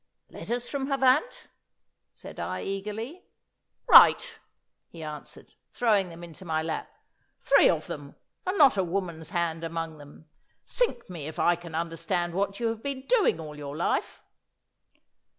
'Letters from Havant,' said I eagerly. 'Right,' he answered, throwing them into my lap. 'Three of them, and not a woman's hand among them. Sink me, if I can understand what you have been doing all your life.